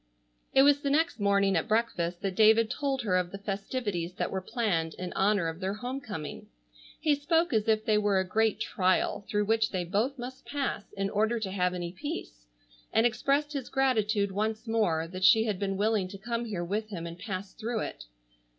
It was the next morning at breakfast that David told her of the festivities that were planned in honor of their home coming. He spoke as if they were a great trial through which they both must pass in order to have any peace, and expressed his gratitude once more that she had been willing to come here with him and pass through it.